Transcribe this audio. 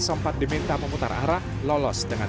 sempat diminta memutar arah lolos dengan